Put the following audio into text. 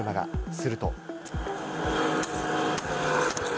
すると。